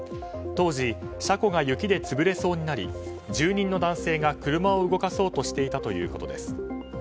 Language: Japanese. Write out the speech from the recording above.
当時、車庫が雪で潰れそうになり住人の男性が車を動かそうとしていたということです。